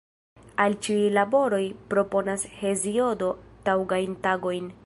Al ĉiuj laboroj proponas Heziodo taŭgajn tagojn.